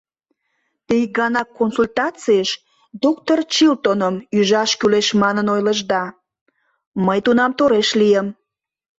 Те ик гана консультацийыш доктыр Чилтоным ӱжаш кӱлеш манын ойлышда... мый тунам тореш лийым.